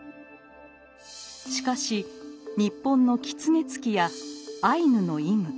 しかし日本の「キツネツキ」やアイヌの「イム」